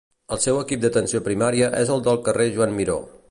El seu equip d'atenció primària és el del carrer Joan Miró.